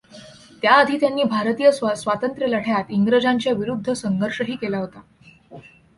त्याआधी त्यांनी भारतीय स्वातंत्र्यलढ्यात इंग्रजांच्या विरुद्ध संघर्षही केला होता.